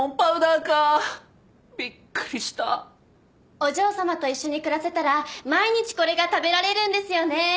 お嬢様と一緒に暮らせたら毎日これが食べられるんですよね？